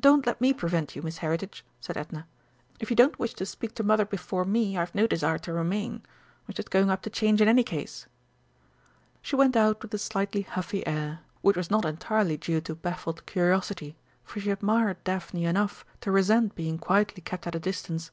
"Don't let me prevent you, Miss Heritage," said Edna. "If you don't wish to speak to Mother before me, I've no desire to remain. I was just going up to change in any case." She went out with a slightly huffy air, which was not entirely due to baffled curiosity, for she admired Daphne enough to resent being quietly kept at a distance.